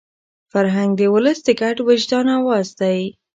فرهنګ د ولس د ګډ وجدان اواز دی.